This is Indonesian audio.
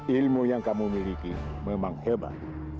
ilmu yang kamu miliki memang hebat